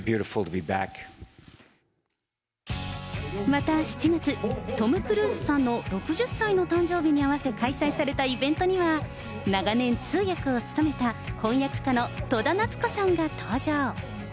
また、７月、トム・クルーズさんの６０歳の誕生日に合わせ開催されたイベントには、長年、通訳を務めた翻訳家の戸田奈津子さんが登場。